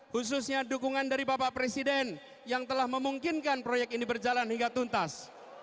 khususnya dukungan dari bapak presiden yang telah memungkinkan proyek ini berjalan hingga tuntas